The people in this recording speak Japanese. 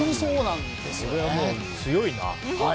これはもう強いな。